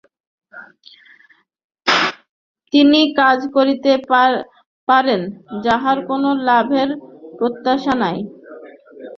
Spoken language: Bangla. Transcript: তিনিই কাজ করিতে পারেন, যাঁহার কোন লাভের প্রত্যাশা নাই।